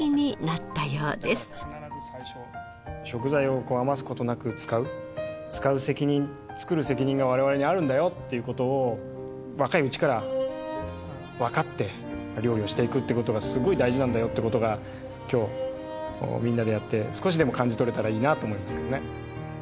食材を余す事なく使う使う責任作る責任が我々にあるんだよっていう事を若いうちからわかって料理をしていくって事がすごい大事なんだよって事が今日みんなでやって少しでも感じ取れたらいいなと思いますけどね。